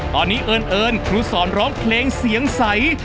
ตอนนี้เอิญครูสอนร้องเพลงเสียงใส